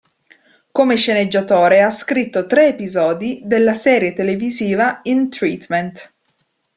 Come sceneggiatore ha scritto tre episodi della serie televisiva "In Treatment".